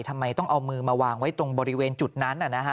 ทำไมต้องเอามือมาวางไว้ตรงบริเวณจุดนั้น